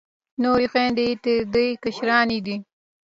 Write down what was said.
نورې خویندې یې تر دې کشرانې دي.